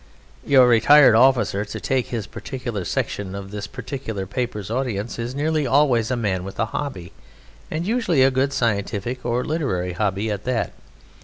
Your retired officer (to take his particular section of this particular paper's audience) is nearly always a man with a hobby, and usually a good scientific or literary hobby at that.